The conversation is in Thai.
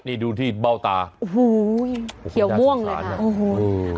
นี่ดูที่เบ้าตาโอ้โหเขียวม่วงเลยโอ้โห